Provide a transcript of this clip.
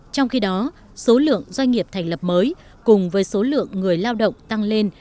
trong khi đó số lượng doanh nghiệp thành lập mới cùng với số lượng người lao động tăng lên